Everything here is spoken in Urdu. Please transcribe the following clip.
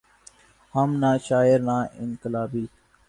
ہم نہ شاعر نہ انقلابی۔